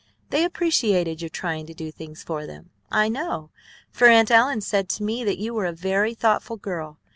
They appreciated your trying to do things for them, I know, for Aunt Ellen said to me that you were a very thoughtful girl.